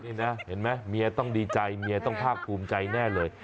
นี่นะเห็นไหมเมียต้องดีใจเมียต้องภาคภูมิใจแน่เลย